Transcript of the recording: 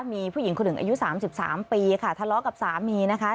มีผู้หญิงคนหนึ่งอายุ๓๓ปีค่ะทะเลาะกับสามีนะคะ